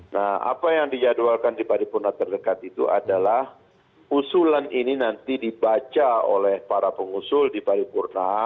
nah apa yang dijadwalkan di paripurna terdekat itu adalah usulan ini nanti dibaca oleh para pengusul di paripurna